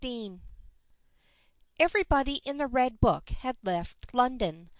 CHAPTER XVI Everybody in the Red Book had left London.